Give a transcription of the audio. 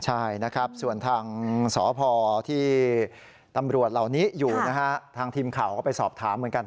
ใช่นะครับส่วนทางสพที่ตำรวจเหล่านี้อยู่นะฮะทางทีมข่าวก็ไปสอบถามเหมือนกัน